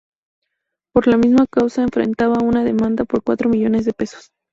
Por la misma causa enfrentaba una demanda por cuatro millones de pesos.